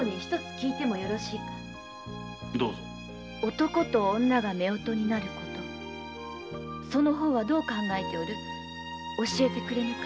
男と女が夫婦になることその方はどう考える？教えてくれぬか。